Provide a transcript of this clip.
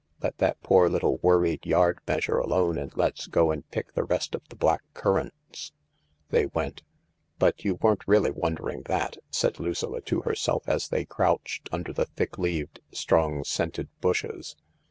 Let that poor little worried yard measure alone and let's go and pick the rest of the black currants." . They went. " But you weren't really wondering that," said Lucilla to herself, as they crouched under the thick leaved, strong scented bushes.